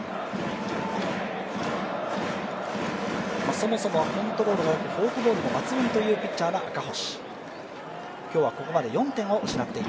そもそもコントロールもよく、フォークボールも抜群というピッチャーの赤星。